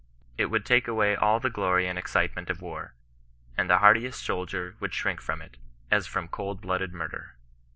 '* It would take away all the glory and excitement of war, and the hardiest soldier would shrink from it, as from cold blooded murder."